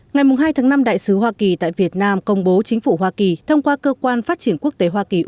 ngày hai tháng năm đại sứ hoa kỳ tại việt nam công bố chính phủ hoa kỳ thông qua cơ quan phát triển quốc tế hoa kỳ